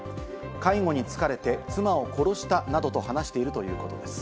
介護に疲れて妻を殺したなどと話しているということです。